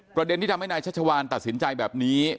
ประเด็นที่ทำให้นายชัชวานตัดสินใจแบบนี้